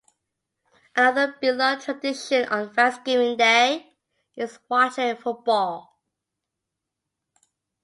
Another beloved tradition on Thanksgiving Day is watching football.